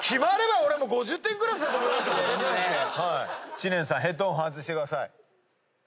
知念さんヘッドホン外してください。